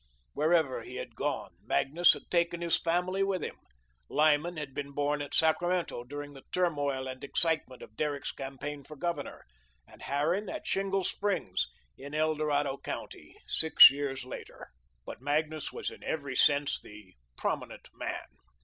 Wherever he had gone, Magnus had taken his family with him. Lyman had been born at Sacramento during the turmoil and excitement of Derrick's campaign for governor, and Harran at Shingle Springs, in El Dorado County, six years later. But Magnus was in every sense the "prominent man."